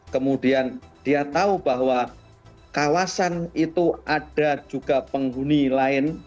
kemudian dia tahu bahwa kawasan itu ada juga penghuni lain